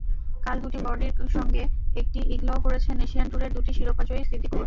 কাল দুটি বার্ডির সঙ্গে একটি ইগলও করেছেন এশিয়ান ট্যুরের দুটি শিরোপাজয়ী সিদ্দিকুর।